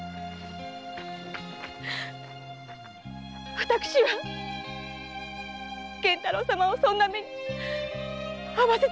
私は源太郎様をそんな目に遭わせたくはないのです！